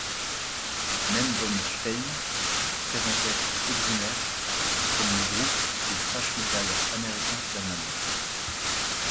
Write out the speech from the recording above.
Mem Von Stein présentait Exumer comme le groupe de thrash metal américain d'Allemagne.